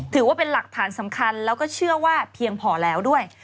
ถือว่าเป็นหลักฐานสำคัญแล้วก็เชื่อว่าเพียงพอแล้วด้วย